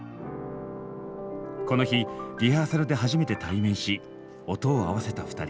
この日リハーサルで初めて対面し音を合わせた２人。